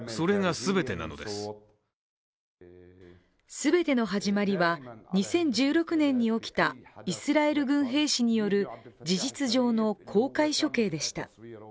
全ての始まりは、２０１６年に起きたイスラエル軍兵士による事実上の公開処刑でした。